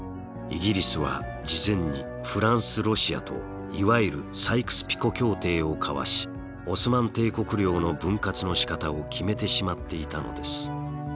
イギリスは事前にフランスロシアといわゆるサイクス・ピコ協定を交わしオスマン帝国領の分割のしかたを決めてしまっていたのです。